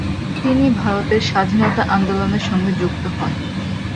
তিনি ভারতের স্বাধীনতা আন্দোলনের সঙ্গে যুক্ত হন।